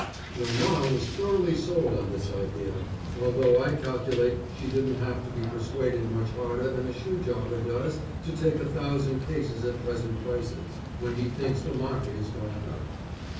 Your Ma was thoroughly sold on this idea, although I calculate she didn't have to be persuaded much harder than a shoe jobber does to take a thousand cases at present prices, when he thinks the market is going up.